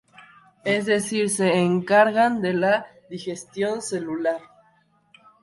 Es decir, se encargan de la digestión celular.